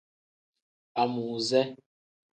Amuuze.